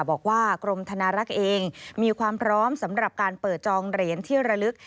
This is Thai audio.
บอกว่ากรมธนารักษ์เองมีความพร้อมสำหรับการเปิดจองเหรียญที่ระลึก